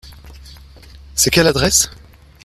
C’est quelle adresse ?